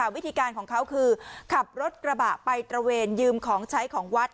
วิธีการของเขาคือขับรถกระบะไปตระเวนยืมของใช้ของวัด